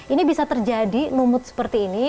ini bisa terjadi lumut seperti ini